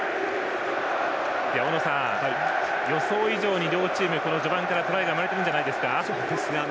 大野さん、予想以上に両チーム序盤からトライが生まれているんじゃないですか。